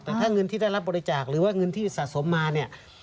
แต่ถ้าเงินที่ได้รับบริจาคหรือว่าเงินที่สะสมมาเนี่ย